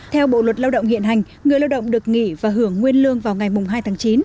theo bộ luật lao động hiện hành người lao động được nghỉ và hưởng nguyên lương vào ngày hai tháng chín